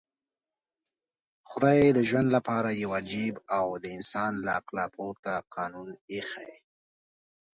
خدای د ژوند لپاره يو عجيب او د انسان له عقله پورته قانون ايښی.